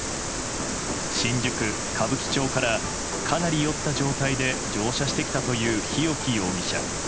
新宿・歌舞伎町からかなり酔った状態で乗車してきたという日置容疑者。